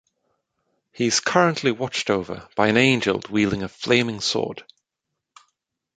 He is currently watched over by an angel wielding a flaming sword.